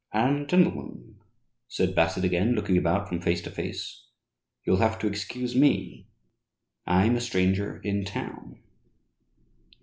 "And, gentlemen," said Bassett, again looking about from face to face, "you'll have to excuse me. I'm a stranger in town."